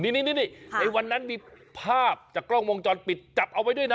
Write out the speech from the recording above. นี่ในวันนั้นมีภาพจากกล้องวงจรปิดจับเอาไว้ด้วยนะ